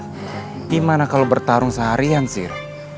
gimana kalau bertarung seharian sih